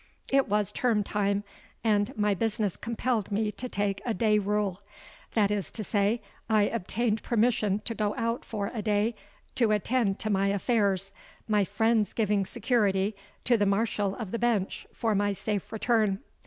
"It was Term Time; and my business compelled me to take a day rule. That is to say, I obtained permission to go out for a day to attend to my affairs, my friends giving security to the Marshal of the Bench for my safe return.